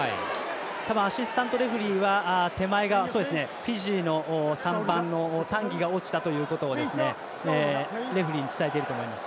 多分、アシスタントレフリーは手前側、フィジーの３番タンギが落ちたということをレフリーに伝えていると思います。